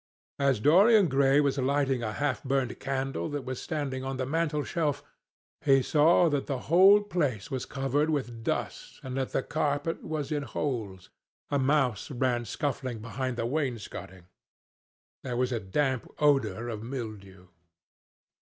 As Dorian Gray was lighting a half burned candle that was standing on the mantelshelf, he saw that the whole place was covered with dust and that the carpet was in holes. A mouse ran scuffling behind the wainscoting. There was a damp odour of mildew.